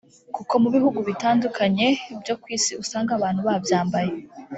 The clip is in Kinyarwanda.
kuko mu bihugu bitandukanye byo ku isi usanga abantu babyambaye